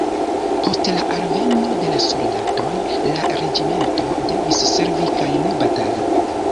Post la alveno de la soldatoj, la regimento devis servi kaj ne batali.